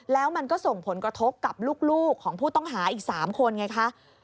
แล้วมันก็ส่งผลกระทบกับลูกของผู้ต้องหาอีก๓คนไงคะ